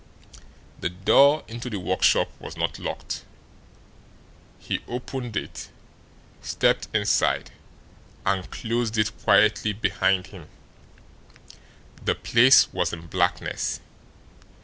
The door into the workshop was not locked. He opened it, stepped inside, and closed it quietly behind him. The place was in blackness.